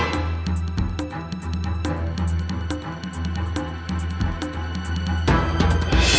gimana kau saja tahu